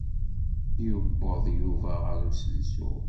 Yuweḍ Yuba ɣer usensu.